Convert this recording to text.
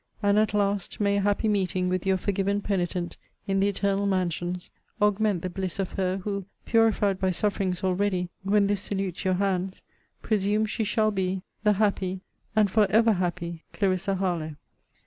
And, at last, may a happy meeting with your forgiven penitent, in the eternal mansions, augment the bliss of her, who, purified by sufferings already, when this salutes your hands, presumes she shall be The happy and for ever happy CLARISSA HARLOWE.